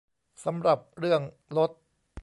สำหรับเรื่องลด